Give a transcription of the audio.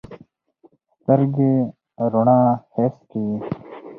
سترګې رڼا حس کوي.